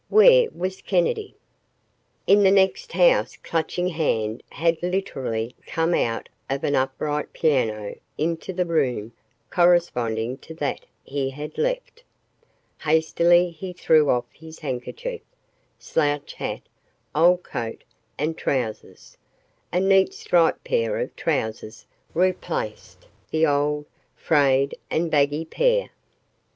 Where was Kennedy? In the next house Clutching Hand had literally come out of an upright piano into the room corresponding to that he had left. Hastily he threw off his handkerchief, slouch hat, old coat and trousers. A neat striped pair of trousers replaced the old, frayed and baggy pair.